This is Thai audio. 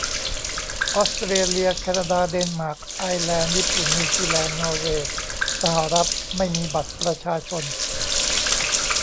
ออสเตรเลีย แคนาดา เดนมาร์ก ไอร์แลนด์ ญี่ปุ่น นิวซีแลนด์ นอร์เวย์ สหรัฐ ไม่มีบัตรประชาชน